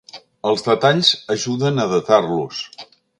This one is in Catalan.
Els detalls ajuden a datar-los.